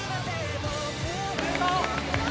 おめでとう！